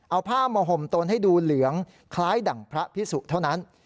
เอาผ้ามาห่มตนให้ดูเหลืองคล้ายดั่งพระพิสุเท่านั้น